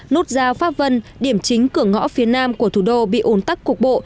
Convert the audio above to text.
nút giao pháp vân điểm chính cửa ngõ phía nam của thủ đô bị ồn tắc cục bộ